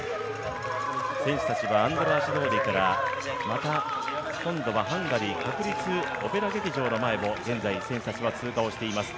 選手たちはアンドラーシ通りからまたハンガリー国立歌劇場を現在選手たちは通過しています